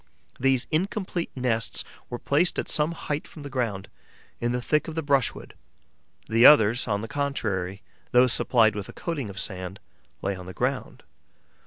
These incomplete nests were placed at some height from the ground, in the thick of the brushwood; the others, on the contrary, those supplied with a coating of sand, lay on the ground.